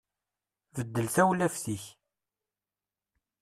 Beddel tawlaft-ik.